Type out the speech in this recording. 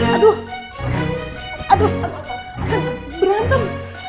aduh aduh kan berantem